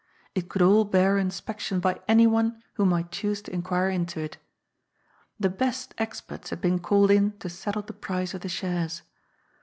It conld all bear inspection by anyone who might choose to inquire into it The best experts had been called in to settle the price of the shares.